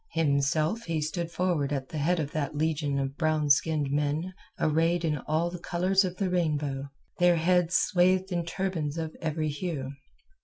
Himself he stood forward at the head of that legion of brown skinned men arrayed in all the colours of the rainbow, their heads swathed in turbans of every hue.